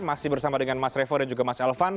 masih bersama dengan mas revo dan juga mas elvan